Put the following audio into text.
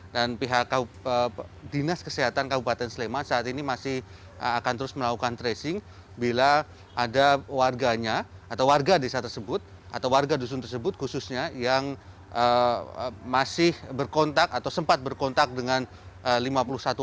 dan pihak dinas kesehatan kabupaten sleman saat ini masih akan terus melakukan tracing bila ada warganya atau warga di saat tersebut atau warga dusun tersebut khususnya yang masih berkontak atau sempat berkontak dengan lima puluh satu orang